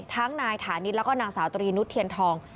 ทั้งนายฐานิตแล้วก็นางสาวตรีนุษเทียนทอง